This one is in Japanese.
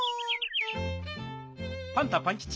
パンタパンキチ。